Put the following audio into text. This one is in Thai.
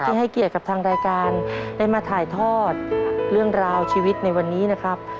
ให้เกียรติกับทางรายการได้มาถ่ายทอดเรื่องราวชีวิตในวันนี้นะครับ